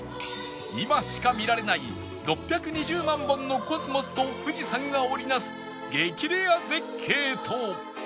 今しか見られない６２０万本のコスモスと富士山が織り成す激レア絶景と